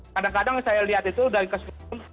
kadang kadang saya lihat itu dari kesempatan